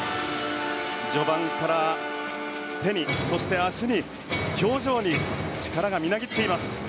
序盤から手に、脚に、表情に力がみなぎっています。